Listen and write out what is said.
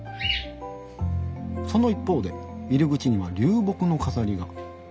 その一方で入り口には流木の飾りが。